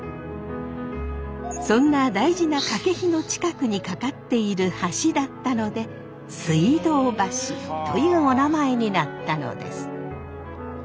そんな大事な掛の近くにかかっている橋だったので水道橋というおなまえになったのです。